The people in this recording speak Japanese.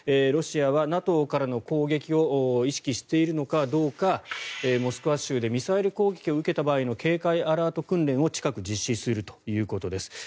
ロシアはＮＡＴＯからの攻撃を意識しているのかどうかモスクワ州でミサイル攻撃を受けた場合の警戒アラート訓練を近く実施するということです。